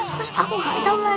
aku gak tau lari lari